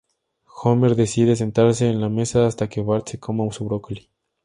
Homer decide sentarse en la mesa hasta que Bart se coma su brócoli.